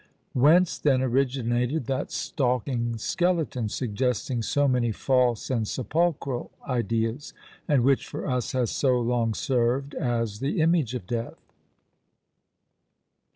Whence, then, originated that stalking skeleton, suggesting so many false and sepulchral ideas, and which for us has so long served as the image of death?